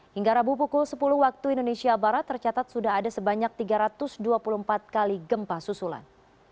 hingga rabu pukul sepuluh waktu indonesia barat tercatat sudah ada sebanyak tiga ratus dua puluh empat kali gempa susulan